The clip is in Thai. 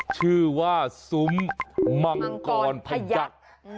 ชื่อว่าซุ้มมังกรพยักษ์